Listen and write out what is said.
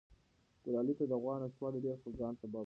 ګلالۍ ته د غوا نشتوالی ډېر د خپګان سبب و.